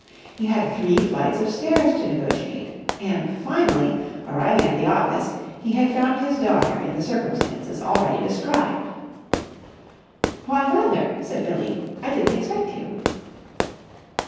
He had three flights of stairs to negotiate. And, finally, arriving at the office, he had found his daughter in the circumstances already described. "Why, father!" said Billie. "I didn't expect you."